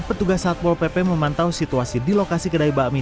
petugas satpol pp memantau situasi di lokasi kedai bakmi